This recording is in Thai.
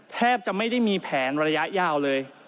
แทบจะไม่ได้มีแผนระยะยาวเลย